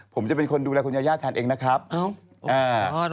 ผมจะเป็นคนดูแลคุณยาเยาทานเองนะครับอ้าว